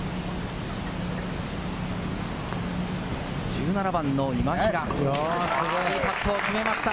１７番の今平、バーディーパットを決めました。